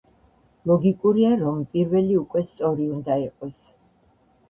ლოგიკურია, რომ პირველი უკვე სწორი უნდა იყოს.